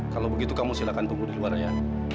kalau begitu kamu silahkan tunggu di luar ya